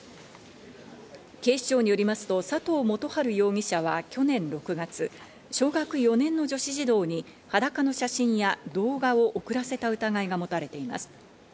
警視庁によりますと佐藤元春容疑者は去年６月、小学４年の女子児童に裸の写真や動画を送らせた疑いが持たれています。